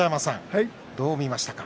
どう見ましたか？